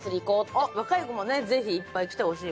若い子もねぜひいっぱい来てほしい。